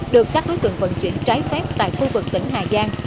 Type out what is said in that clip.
được các đối tượng vận chuyển trái phép tại khu vực tỉnh hà giang